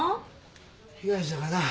被害者がな